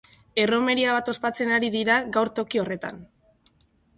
Erromeria bat ospatzen ari dira gaur toki horretan.